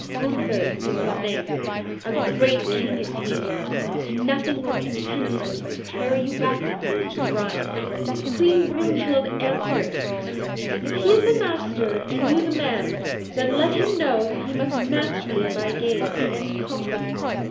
Gunther is his name; a great King is he, and nothing will content him but to carry you back with him to the Rhine." Queen Brunhild answered, "If he is the master and you the man, then let him know that he must match me in my games and conquer me.